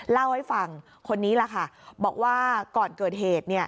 เล่าให้ฟังคนนี้แหละค่ะบอกว่าก่อนเกิดเหตุ